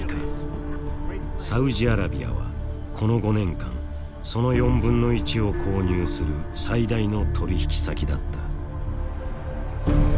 サウジアラビアはこの５年間その４分の１を購入する最大の取引先だった。